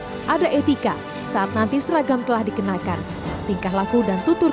mereka menapak masa depan ada etika saat nanti seragam telah dikenalkan tingkah laku dan tutur